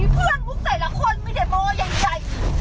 เพื่อนมึงใส่ละคนมีเด็ดโม่ใหญ่